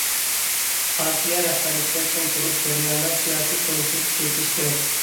پارتىيە رەھبەرلىكىدە چىڭ تۇرۇش جەريانىدا سىياسىي تونۇشنى كۈچەيتىش كېرەك.